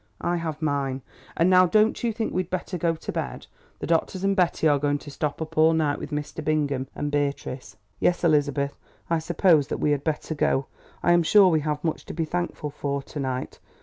I have mine. And now don't you think we had better go to bed? The doctors and Betty are going to stop up all night with Mr. Bingham and Beatrice." "Yes, Elizabeth, I suppose that we had better go. I am sure we have much to be thankful for to night.